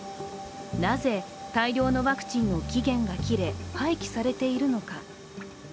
なぜ、大量のワクチンの期限が切れ廃棄されているのか。